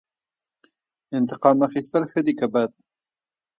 انتقام اخیستل ښه دي که بد؟